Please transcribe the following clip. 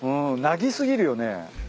なぎ過ぎるよね。